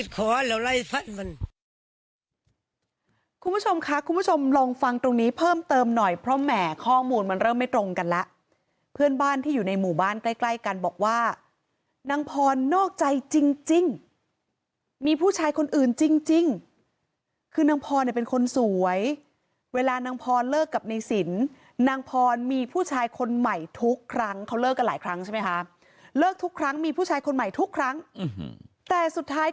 คุณผู้ชมค่ะคุณผู้ชมลองฟังตรงนี้เพิ่มเติมหน่อยเพราะแหมข้อมูลมันเริ่มไม่ตรงกันแล้วเพื่อนบ้านที่อยู่ในหมู่บ้านใกล้ใกล้กันบอกว่านางพรนอกใจจริงมีผู้ชายคนอื่นจริงคือนางพรเนี่ยเป็นคนสวยเวลานางพรเลิกกับในสินนางพรมีผู้ชายคนใหม่ทุกครั้งเขาเลิกกันหลายครั้งใช่ไหมคะเลิกทุกครั้งมีผู้ชายคนใหม่ทุกครั้งแต่สุดท้าย